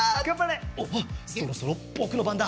おお、そろそろ僕の番だ。